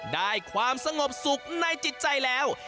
ได้ความสงบสุขในจิตใจแล้ว